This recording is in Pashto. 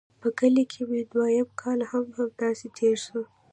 په کلي کښې مې دويم کال هم همداسې تېر سو.